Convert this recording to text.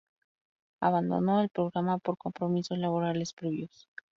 Abandonó el programa por compromisos laborales previos.